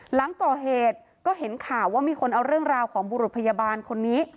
หลังก่อเหตุก็เห็นข่าวว่ามีคนเอาเรื่องราวของบุรุษพยาบาลคนนี้